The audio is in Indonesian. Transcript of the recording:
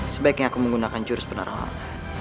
sebaiknya aku menggunakan jurus penerangan